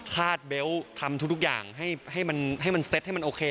คาดเบลต์ทำทุกอย่างให้มันเซ็ตให้มันโอเค